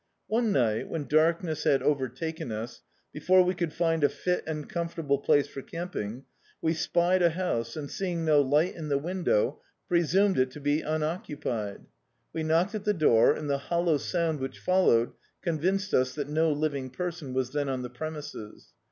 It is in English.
One night, when darkness had overtaken us, be fore we could find a fit and comfortable place for camping, we spied a house, and seeing no light in the window, presumed it to be unoccupied. We knocked at the door, and the hollow sound which followed convinced us that no living person was then on the premises.